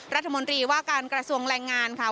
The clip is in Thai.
รัฐมนตรีว่าการกระทรวงแรงงานค่ะ